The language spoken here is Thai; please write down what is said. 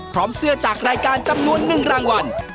พร้อมเสื้อจากรายการจำนวนนึงรางวัล